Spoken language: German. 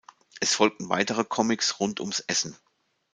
Es folgten weitere Comics rund ums Essen.